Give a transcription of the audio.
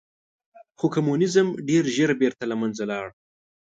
خو کمونیزم ډېر ژر بېرته له منځه لاړ.